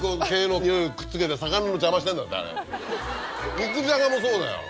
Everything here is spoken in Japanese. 肉じゃがもそうだよ